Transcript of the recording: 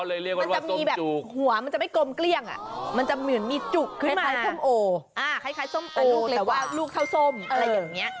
มันจะมีแบบหัวมันจะไม่กลมเกลี้ยงมันจะเหมือนมีจุกขึ้นมาส้มโอคล้ายส้มโอลูกเลยว่าลูกเท่าส้มอะไรอย่างนี้